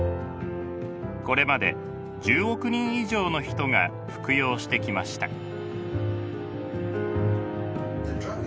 これまで１０億人以上の人が服用してきました。